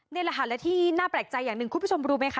นี่แหละค่ะและที่น่าแปลกใจอย่างหนึ่งคุณผู้ชมรู้ไหมคะ